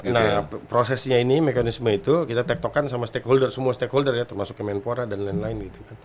nah prosesnya ini mekanisme itu kita tektokan sama stakeholder semua stakeholder ya termasuk kemenpora dan lain lain gitu kan